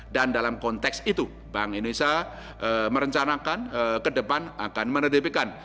dan dalam konteks itu bank indonesia merencanakan ke depan akan menerbitkan